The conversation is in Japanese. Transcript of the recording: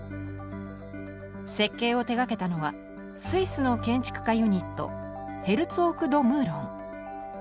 設計を手がけたのはスイスの建築家ユニットヘルツォーク＆ド・ムーロン。